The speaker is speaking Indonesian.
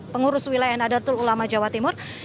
pengurus wilayah nadr tululama jawa timur